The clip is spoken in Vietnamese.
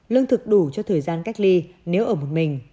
lương thực đủ cho thời gian cách ly nếu ở một mình